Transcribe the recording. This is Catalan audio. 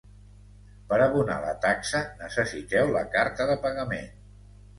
Per abonar la taxa, necessiteu la carta de pagament.